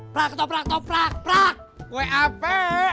plak toplak toplak plak plak kue apa eh